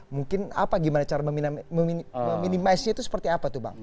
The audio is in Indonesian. mungkin apa gimana cara meminimasi itu seperti apa tuh bang